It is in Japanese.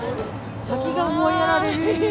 先が思いやられる。